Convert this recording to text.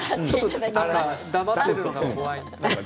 黙っているのが怖いというか。